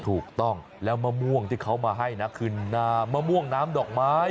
ถูกต้องแล้วมะม่วงที่เขามาให้นะคือน้ำมะม่วงน้ำดอกไม้